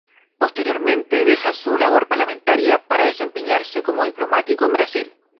Posteriormente deja su labor parlamentaria para desempeñarse como diplomático en Brasil.